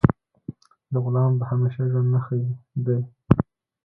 له غلام د همیشه ژوند نه ښه دی.